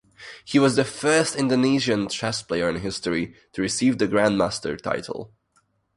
He was the first Indonesian chess player in history to receive the grandmaster title.